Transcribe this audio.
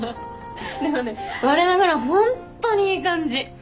でもねわれながらホントにいい感じ。